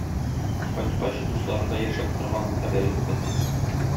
Кайткач, дусларында яшәп торганын хәбәр итте.